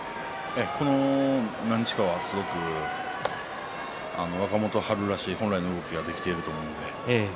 ここ何日かは若元春らしい本来の動きができていると思います。